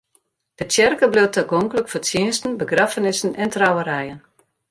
De tsjerke bliuwt tagonklik foar tsjinsten, begraffenissen en trouwerijen.